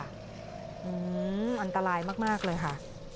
อันตรายมากเลยค่ะ